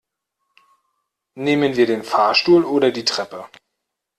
Nehmen wir den Fahrstuhl oder die Treppe?